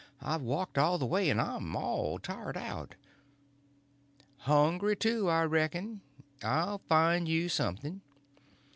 I've walked all the way and I'm all tired out." "Hungry, too, I reckon. I'll find you something."